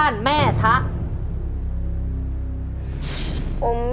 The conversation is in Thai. จิตตะสังวโรครับ